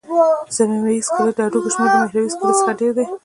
ضمیموي سکلېټ د هډوکو شمېر له محوري سکلېټ څخه ډېر دی.